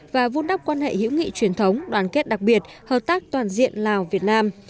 và vun đắp quan hệ hữu nghị truyền thống đoàn kết đặc biệt hợp tác toàn diện lào việt nam